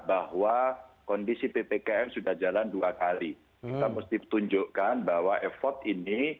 bahwa kondisi ppkm sudah jalan dua kali kita mesti tunjukkan bahwa effort ini